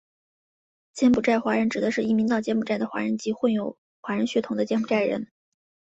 柬埔寨华人指的是移民到柬埔寨的华人及混有华人血统的柬埔寨人。